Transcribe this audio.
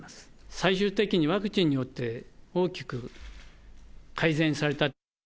最終的にワクチンによって大きく改善された。